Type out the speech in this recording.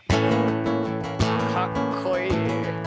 かっこいい。